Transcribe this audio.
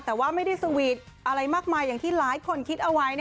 แต่ว่าไม่ได้สวีทอะไรมากมายอย่างที่หลายคนคิดเอาไว้